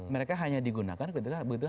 mereka hanya digunakan ketika hal hal yang salah